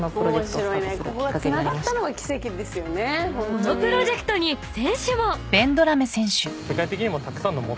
［このプロジェクトに選手も］